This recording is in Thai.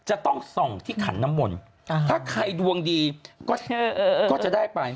จะต้องส่องที่ขันน้ำมนต์ถ้าใครดวงดีก็จะได้ไป